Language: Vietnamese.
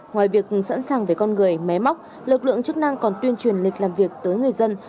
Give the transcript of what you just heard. ngoài việc sẵn sàng về con người máy móc lực lượng chức năng còn tuyên truyền lịch làm việc tới người dân